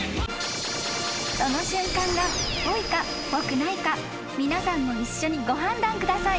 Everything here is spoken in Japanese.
［その瞬間がぽいかぽくないか皆さんも一緒にご判断ください］